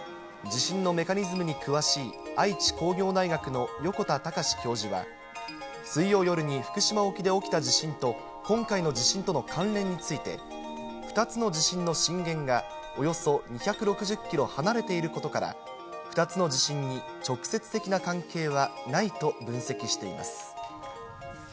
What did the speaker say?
地震のメカニズムに詳しい愛知工業大学の横田崇教授は、水曜夜に福島沖で起きた地震と、今回の地震との関連について、２つの地震の震源がおよそ２６０キロ離れていることから、２つの地震に直接的な関係はないと分析しています。